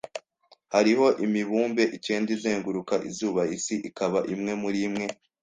Hariho imibumbe icyenda izenguruka izuba, isi ikaba imwe murimwe